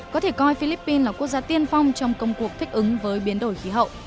có thể coi philippines là quốc gia tiên phong trong công cuộc thích ứng với biến đổi khí hậu